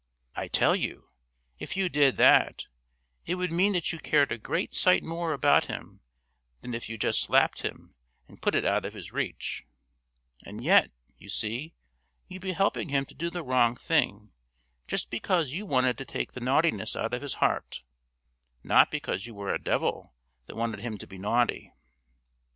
I tell you, if you did that it would mean that you cared a great sight more about him than if you just slapped him and put it out of his reach; and yet, you see, you'd be helping him to do the wrong thing just because you wanted to take the naughtiness out of his heart, not because you were a devil that wanted him to be naughty.